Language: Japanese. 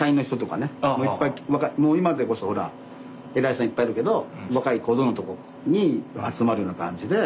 もう今でこそほら偉い人いっぱいいるけど若い小僧の時に集まるような感じで。